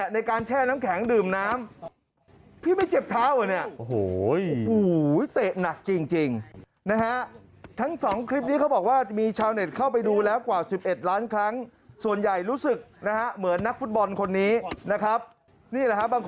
น่ารักกว่ามึงเยอะเลยอันนี้